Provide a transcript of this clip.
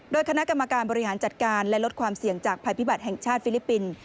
โดยคณะกรรมการบริหารจัดการและลดความเสี่ยงจากภัยพิบัติแห่งชาติฟิลิปปินส์